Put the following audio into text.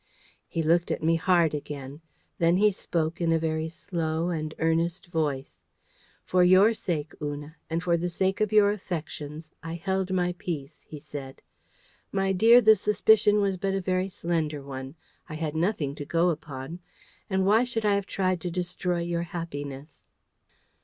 He looked at me hard again. Then he spoke in a very slow and earnest voice: "For your sake, Una, and for the sake of your affections, I held my peace," he said. "My dear, the suspicion was but a very slender one: I had nothing to go upon. And why should I have tried to destroy your happiness?"